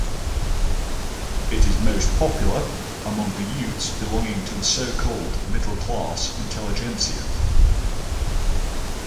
It is most popular among the youths belonging to the so-called "middle-class intelligentsia".